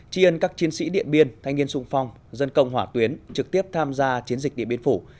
tri ân các chiến sĩ điện biên thanh niên sung phong dân công hỏa tuyến trực tiếp tham gia chiến dịch điện biên phủ